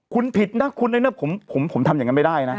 คุณผิดนะคุณผมทำอย่างนั้นไม่ได้นะ